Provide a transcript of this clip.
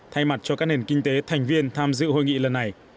thay mặt cho các nền kinh tế thành viên tham dự hội nghị lần này